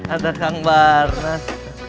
ada kang barnas